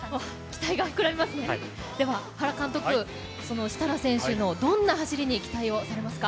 では、原監督、設楽選手のどんな走りに期待をされますか？